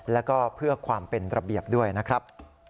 แล้วก็เพื่อความเป็นระเบียบด้วยนะครับ